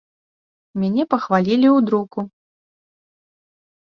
Мяне пахвалілі ў друку.